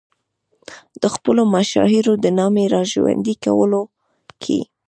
د خپلو مشاهیرو د نامې را ژوندي کولو کې.